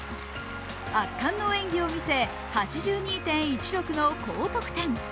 圧巻の演技を見せ８２．１６の高得点。